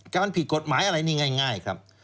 การผิดกฎหมายอะไรนี่ง่ายครับ